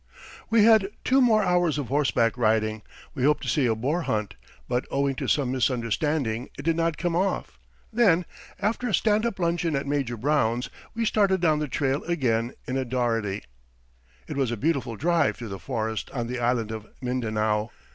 We had two more hours of horseback riding we hoped to see a boar hunt, but owing to some misunderstanding, it did not come off. Then, after a stand up luncheon at Major Brown's, we started down the trail again in a dougherty. [Illustration: BAGOBO MAN WITH POINTED TEETH.] It was a beautiful drive through this forest on the island of Mindanao.